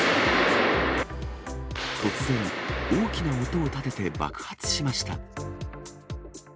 突然、大きな音を立てて爆発しました。